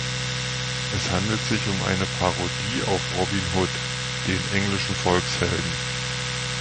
Es handelt sich um eine Parodie auf Robin Hood, den englischen Volkshelden.